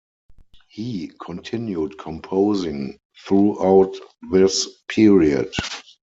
He continued composing throughout this period.